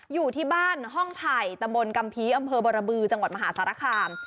อยู่ที่บ้านห้องไผ่ตะบนกำพีอำเภอบรบรบือจังหวัดมหาศาลคาม